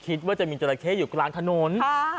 คุณผู้ชมคิดว่าจะมีจัดละเข้อยู่กลางถนน